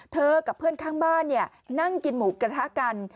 กับเพื่อนข้างบ้านนั่งกินหมูกระทะกัน